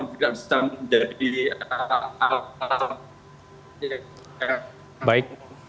tidak bisa menjadi alat